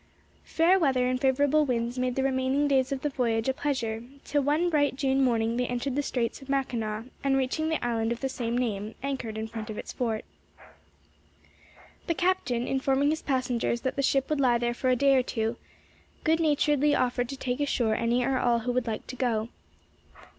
Fair weather and favorable winds made the remaining days of the voyage a pleasure till one bright June morning they entered the Straits of Mackinaw and reaching the island of the same name, anchored in front of its fort. The captain, informing his passengers that the ship would lie there for a day or two, good naturedly offered to take ashore any or all who would like to go.